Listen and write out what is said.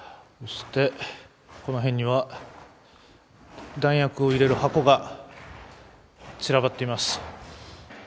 そして、この辺には弾薬を入れる箱が散らばっています。